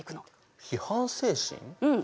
うん！